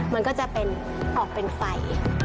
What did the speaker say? มันก็จะเป็นออกเป็นไฟ